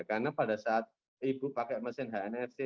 karena pada saat ibu pakai mesin hnfc